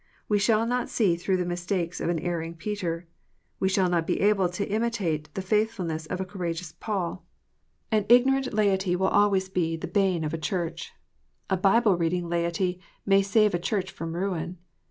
We shall not see through the mistakes of an erring Peter. We shall not be able to imitate the faithful ness of a courageous Paul. An ignorant laity will always be THE FALLIBILITY OF MINISTERS. 383 the bane of a Church. A Bible reading laity may save a Church from ruin.